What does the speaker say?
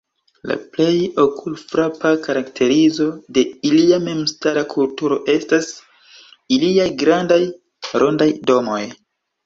La plej okulfrapa karakterizo de ilia memstara kulturo estas iliaj grandaj, rondaj domoj.